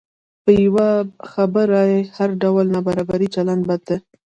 په یوه خبره هر ډول نابرابر چلند بد دی.